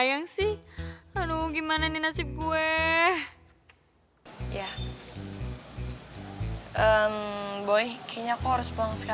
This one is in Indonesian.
ada ban serep ya